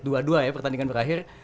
dua dua ya pertandingan berakhir